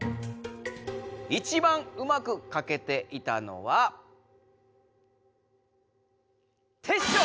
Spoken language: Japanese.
いちばんうまく描けていたのはテッショウ！